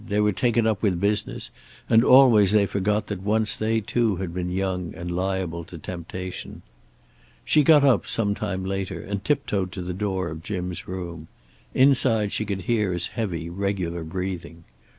They were taken up with business, and always they forgot that once they too had been young and liable to temptation. She got up, some time later, and tiptoed to the door of Jim's room. Inside she could hear his heavy, regular breathing.